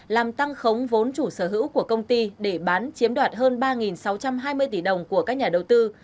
làm tăng khống vốn chủ sở hữu của công ty để bán chiếm đoạt hơn ba sáu trăm hai mươi tỷ đồng của các nhà đầu tư